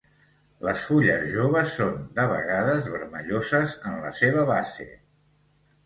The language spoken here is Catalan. Les fulles joves són, de vegades, vermelloses en la seva base.